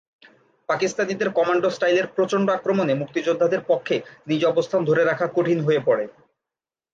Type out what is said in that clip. পাকিস্তানিদের কমান্ডো স্টাইলের প্রচণ্ড আক্রমণে মুক্তিযোদ্ধাদের পক্ষে নিজ অবস্থান ধরে রাখা কঠিন হয়ে পড়ে।